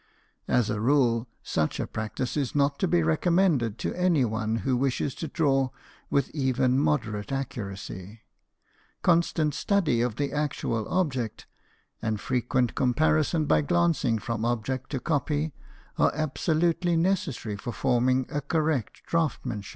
As a rule, such a practice is not to be recom mended to any one who wishes to draw with even moderate accuracy ; constant study of the actual object, and frequent comparison by glancing from object to copy, are absolutely necessary for forming a correct draughtsman.